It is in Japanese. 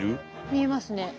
見えますね。